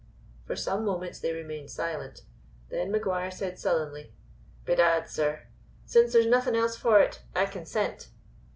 For some moments they remained silent. Then Maguire said sullenly: "Bedad, sir, since there's nothing else for it, I consent."